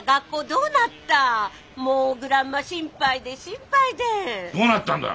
どうなったんだ！